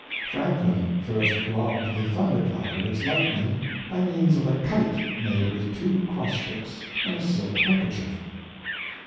Franklin first robbed the thunder cloud of its lightning by means of a kite made with two cross sticks and a silk handkerchief.